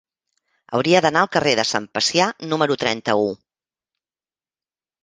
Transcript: Hauria d'anar al carrer de Sant Pacià número trenta-u.